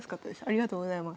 ありがとうございます。